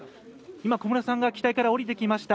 今、小室さんが機体から降りてきました。